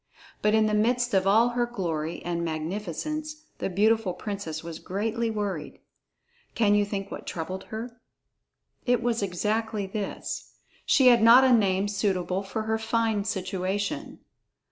But in the midst of all her glory and magnificence, the beautiful princess was greatly worried. Can you think what troubled her? It was exactly this. She had not a name suitable for her fine situation.